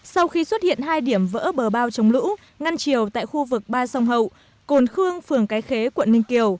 sau khi xuất hiện hai điểm vỡ bờ bao chống lũ ngăn chiều tại khu vực ba sông hậu cồn khương phường cái khế quận ninh kiều